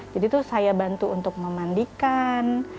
jadi itu saya bantu untuk memandikan